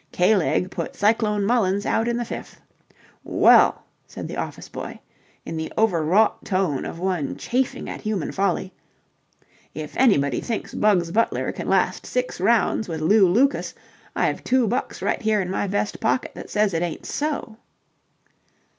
K leg put Cyclone Mullins out in the fifth. Well," said the office boy in the overwrought tone of one chafing at human folly, "if anybody thinks Bugs Butler can last six rounds with Lew Lucas, I've two bucks right here in my vest pocket that says it ain't so."